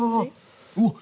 うわっ